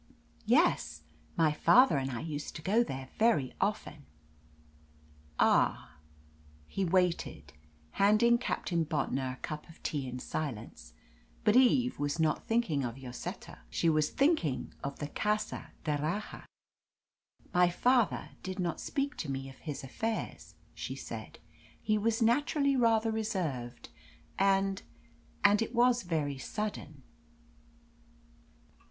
"Yes. My father and I used to go there very often." "Ah " He waited handing Captain Bontnor a cup of tea in silence. But Eve was not thinking of Lloseta; she was thinking of the Casa d'Erraha. "My father did not speak to me of his affairs," she said. "He was naturally rather reserved, and and it was very sudden."